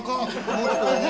もっと上ね